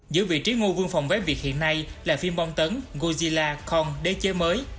giữa vị trí ngu vương phòng vé việt hiện nay là phim bong tấn godzilla kong đế chế mới